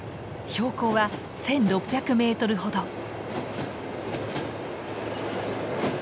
標高は１，６００メートルほど。